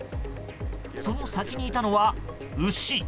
その先にいたのは、牛？